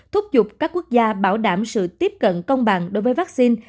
cho biết các quốc gia bảo đảm sự tiếp cận công bằng đối với vaccine